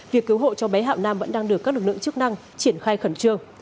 việc cứu hộ cho bé hạ nam vẫn đang được các lực lượng chức năng triển khai khẩn trương